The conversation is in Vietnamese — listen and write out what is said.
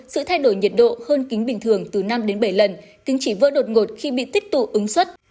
sự thay đổi nhiệt độ hơn kính bình thường từ năm đến bảy lần kính chỉ vỡ đột ngột khi bị tích tụ ứng xuất